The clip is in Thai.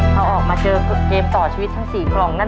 ถ้าออกมาเจอเกมต่อชีวิตทั้ง๔กลองนั้น